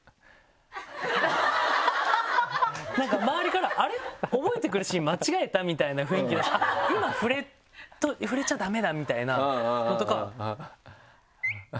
周りからあれ覚えてくるシーン間違えた？みたいな雰囲気で今触れちゃ駄目だみたいなのとか。